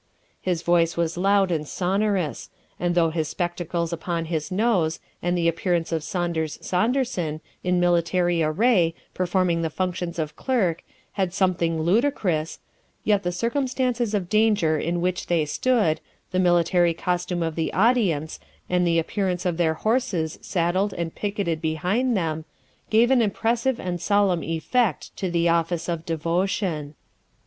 His voice was loud and sonorous, and though his spectacles upon his nose, and the appearance of Saunders Saunderson, in military array, performing the functions of clerk, had something ludicrous, yet the circumstances of danger in which they stood, the military costume of the audience, and the appearance of their horses saddled and picqueted behind them, gave an impressive and solemn effect to the office of devotion.